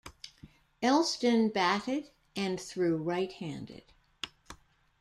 Elston batted and threw right-handed.